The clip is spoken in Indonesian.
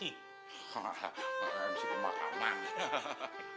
hahaha mau nge mc pemakaman